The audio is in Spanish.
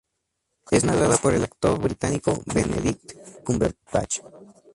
Es narrada por el actor británico Benedict Cumberbatch.